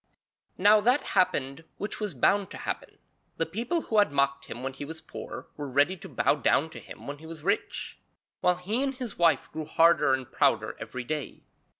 Now that happened which was bound to happen. The people who had mocked him when he was poor were ready to bow down to him when he was rich, while he and his wife grew harder and prouder every day.